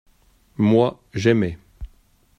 Moi, j’aimais.